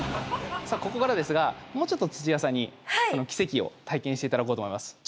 さあここからですがもうちょっと土屋さんにこの奇跡を体験して頂こうと思います。